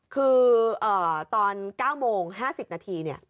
คือตอน๙โมง๕๐นาที